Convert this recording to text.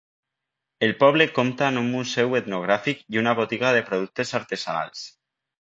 El poble compta amb un Museu Etnogràfic i una botiga de productes artesanals.